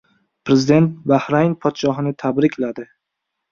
Prezident Bahrayn Podshohini tabrikladi